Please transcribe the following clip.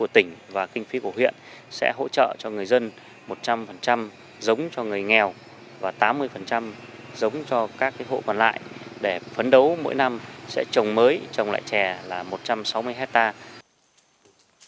tỉnh và kinh phí của huyện sẽ hỗ trợ cho người dân một trăm linh giống cho người nghèo và tám mươi giống cho các hộ còn lại để phấn đấu mỗi năm sẽ trồng mới trồng lại chè là một trăm sáu mươi hectare